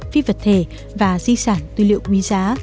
phi vật thể và di sản tư liệu quý giá